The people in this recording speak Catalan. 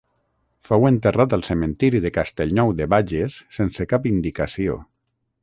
Fou enterrat al cementiri de Castellnou de Bages sense cap indicació.